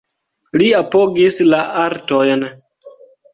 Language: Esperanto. Li apogis la artojn.